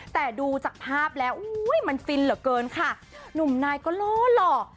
แต่ดูจากภาพแล้วอุ้ยมันฟินเหลือเกินค่ะหนุ่มนายก็ล่อหล่อ